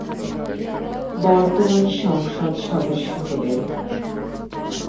বর্তমান সংসদ সদস্য হলেন।